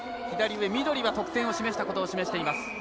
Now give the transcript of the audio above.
左上、緑は得点したことを示しています。